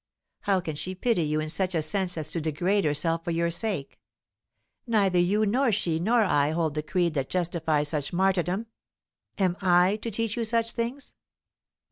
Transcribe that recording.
How can she pity you in such a sense as to degrade herself for your sake? Neither you nor she nor I hold the creed that justifies such martyrdom. Am I to teach you such things?